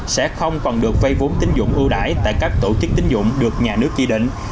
sẽ không còn được vây vốn tính dụng ưu đải tại các tổ chức tính dụng được nhà nước chỉ định